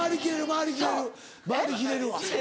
回り切れるわ。